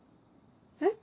えっ？